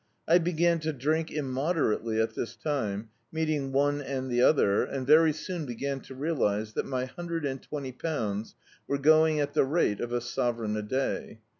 I began to drink immoderately at this time, meeting one and the other, and very soon began to realise that my hundred and twenty pounds were going at the rate of a sovereign a day.